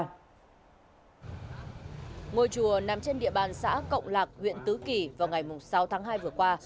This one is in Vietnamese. ngôi chùa nằm trên địa bàn xã cộng lạc huyện tứ kỳ vào ngày sáu tháng hai vừa qua